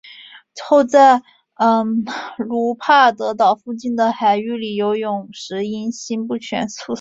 后在卢帕德岛附近的海域里游泳时因心不全猝死。